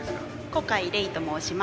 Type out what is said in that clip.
コカイレイと申します。